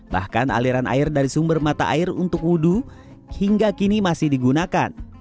bahkan aliran air dari sumber mata air untuk wudhu hingga kini masih digunakan